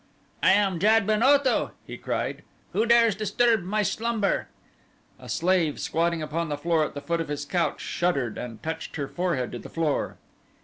"I am Jad ben Otho," he cried, "who dares disturb my slumber?" A slave squatting upon the floor at the foot of his couch shuddered and touched her forehead to the floor.